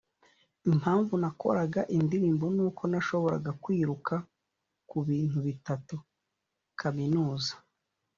Impanvu nakoraga indirimbo nuko nashoboraga kwiruka kubintu bitatu (kaminuza